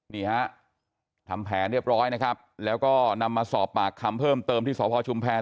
นี่ฮะทำแผนเรียบร้อยนะครับแล้วก็นำมาสอบปากคำเพิ่มเติมที่สพชุมแพร